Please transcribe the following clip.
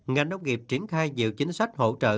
ngành nông nghiệp triển khai nhiều chính sách hỗ trợ